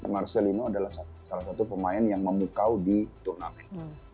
marcelino adalah salah satu pemain yang memukau di turnamen